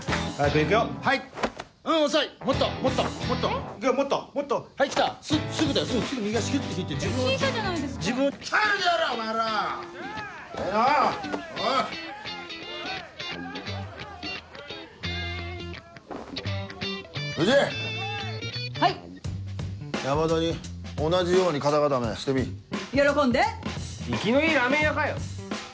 生きのいいラーメン屋かよ！